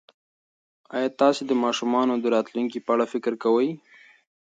ایا تاسي د ماشومانو د راتلونکي په اړه فکر کوئ؟